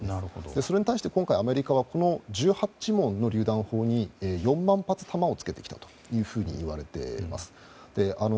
それに対して、今回アメリカは１８門の砲台に４万発の弾をつけてきたというふうにいわれています。